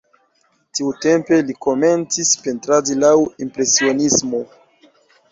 Tiutempe li komencis pentradi laŭ impresionismo.